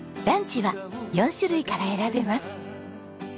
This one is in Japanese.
ランチは４種類から選べます。